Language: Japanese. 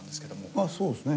ああそうですね。